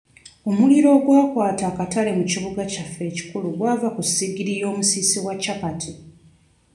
Omuliro ogwakwata akatale mu kibuga kyaffe ekikukulu gwava ku ssigiri y'omusiisi wa capati.